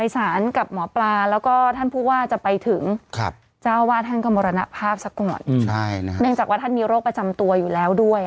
สักกว่าใช่นะครับเนื่องจากว่าท่านมีโรคประจำตัวอยู่แล้วด้วย